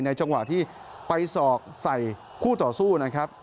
จังหวะที่ไปสอกใส่คู่ต่อสู้นะครับ